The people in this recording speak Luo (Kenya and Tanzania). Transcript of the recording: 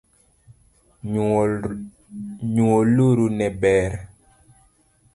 Nyoluoro ne ber